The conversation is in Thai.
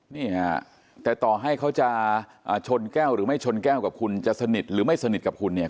นี่ฮะแต่ต่อให้เขาจะชนแก้วหรือไม่ชนแก้วกับคุณจะสนิทหรือไม่สนิทกับคุณเนี่ย